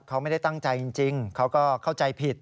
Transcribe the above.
เขาไม่ได้ตั้งใจจริงเขาก็เข้าใจผิด